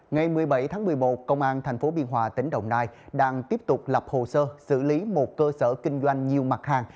ngày một mươi bảy tháng một mươi một công an tp biên hòa tỉnh đồng nai đang tiếp tục lập hồ sơ xử lý một cơ sở kinh doanh nhiều mặt hàng